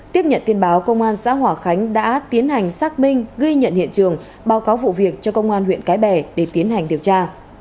tiếp nhận tin báo công an xã hòa khánh đã tiến hành xác minh ghi nhận hiện trường báo cáo vụ việc cho công an huyện cái bè để tiến hành điều tra